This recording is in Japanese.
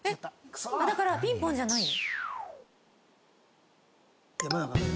だからピンポンじゃないよ。